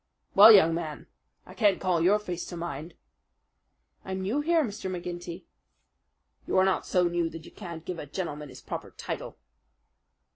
"Well, young man, I can't call your face to mind." "I'm new here, Mr. McGinty." "You are not so new that you can't give a gentleman his proper title."